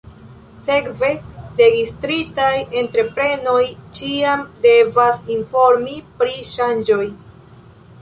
Sekve, registritaj entreprenoj ĉiam devas informi pri ŝanĝoj.